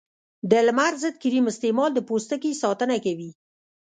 د لمر ضد کریم استعمال د پوستکي ساتنه کوي.